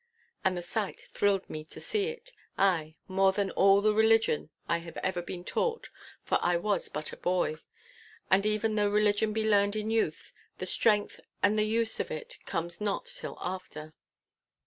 And the sight thrilled me to see it, ay, more than all the religion I had ever been taught, for I was but a boy. And even though religion be learned in youth, the strength and the use of it comes not till after.